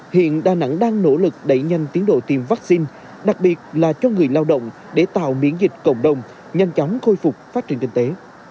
hiện đà nẵng đang nỗ lực đẩy nhanh tiến độ tiêm vaccine đặc biệt là cho người lao động để tạo miễn dịch cộng đồng nhanh chóng khôi phục phát triển kinh tế